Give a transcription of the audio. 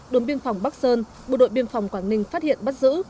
đối với biên phòng bắc sơn bộ đội biên phòng quảng ninh phát hiện bắt giữ